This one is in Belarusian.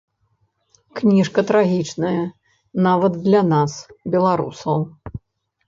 Кніжка трагічная, нават для нас, беларусаў.